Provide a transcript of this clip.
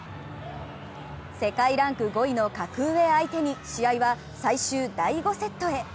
世界ランク５位の格上相手に、試合は、最終第５セットへ。